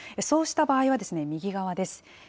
そうした場合は、右側です。